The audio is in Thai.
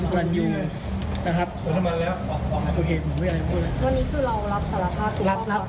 วันนี้คือเรารับสารผ้าสู่ลหน้าค่ะ